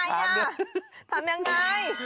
ทำยังไง